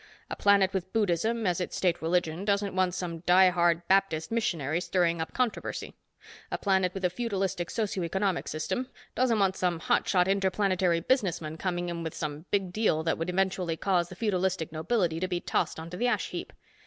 A planet with Buddhism as its state religion, doesn't want some die hard Baptist missionary stirring up controversy. A planet with a feudalistic socio economic systems doesn't want some hot shot interplanetary businessman coming in with some big deal that would eventually cause the feudalistic nobility to be tossed onto the ash heap.